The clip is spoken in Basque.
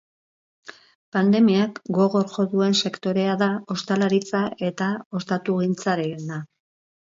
Pandemiak gogor jo duen sektorea da ostalaritza eta ostatugintzarena.